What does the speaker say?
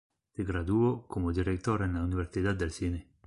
Se graduó como director en la Universidad del Cine.